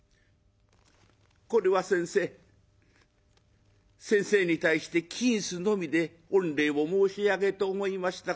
「これは先生先生に対して金子のみで御礼を申し上げと思いました